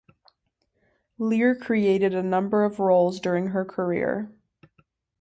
Lear created a number of roles during her career.